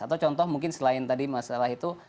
atau contoh mungkin selain tadi masalah itu